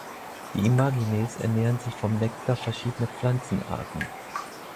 Die Imagines ernähren sich vom Nektar verschiedener Pflanzenarten.